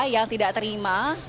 yang tidak terima